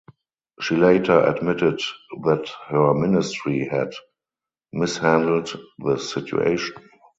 She later admitted that her ministry had mishandled the situation.